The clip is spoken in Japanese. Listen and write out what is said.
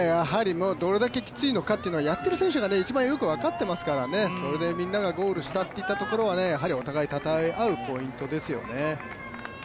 どれだけきついのかっていうのはやっている選手が一番よく分かっていますからそれでみんながゴールしたというところではお互いたたえ合うポイントですよね。